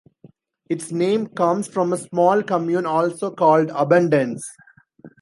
Its name comes from a small commune also called Abondance.